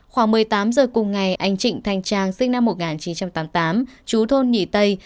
khoảng một mươi tám giờ cùng ngày anh trịnh thanh trang sinh năm một nghìn chín trăm tám mươi tám chú thôn nhị tây